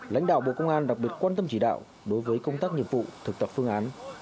lãnh đạo bộ công an đặc biệt quan tâm chỉ đạo đối với công tác nghiệp vụ thực tập phương án